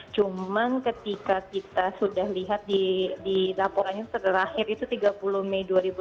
cuman ketika kita sudah lihat di laporannya terakhir itu tiga puluh mei dua ribu delapan belas